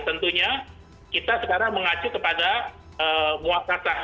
tentunya kita sekarang mengacu kepada muak sasa